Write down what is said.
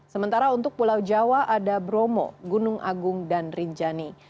sementara untuk pulau jawa ada bromo gunung agung dan rinjani